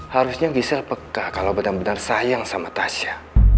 harusnya giselle peka kalo benar benar sayang sama tasya